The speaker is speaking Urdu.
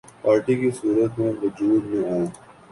پارٹی کی صورت میں وجود میں آئی